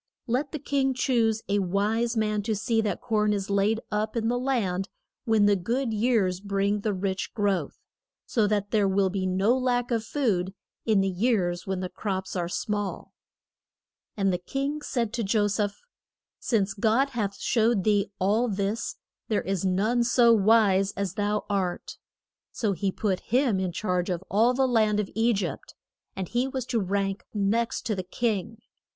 Let the king choose a wise man to see that corn is laid up in the land when the good years bring the rich growth, so that there will be no lack of food in the years when the crops are small. [Illustration: PHA RA OH'S DREAM.] And the king said to Jo seph, Since God hath showed thee all this there is none so wise as thou art. So he put him in charge of all the land of E gypt, and he was to rank next to the king.